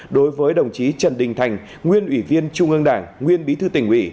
đối với đồng chí trần đình thành nguyên ủy viên trung ương đảng nguyên bí thư tỉnh ủy